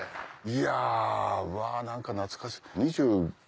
いやうわ何か懐かしい。